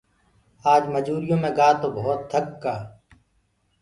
اج مجوُريو مي گآ تو ڀوت ٿڪ گآ۔